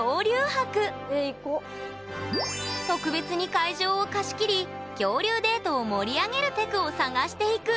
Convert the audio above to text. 特別に会場を貸し切り恐竜デートを盛り上げるテクを探していく！